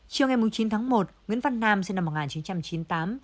chiều ngày chín tháng một nguyễn văn nam sinh năm một nghìn chín trăm chín mươi tám